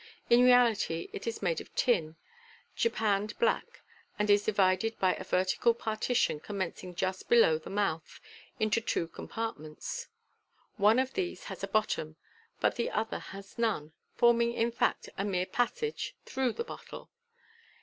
In reality it is made of tin, japanned black, and is divided by a vertical partition, commencing just below the mouth, into two compartments. One of these has a bottom, but the other has none, forming, in fact, a mere passage through the bottle.